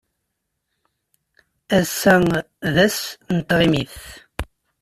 Ass-a d ass n tɣimit.